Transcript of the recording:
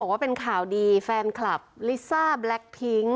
ว่าเป็นข่าวดีแฟนคลับลิซ่าแบล็คพิ้ง